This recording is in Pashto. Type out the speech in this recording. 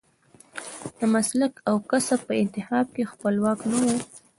د مسلک او کسب په انتخاب کې خپلواک نه و.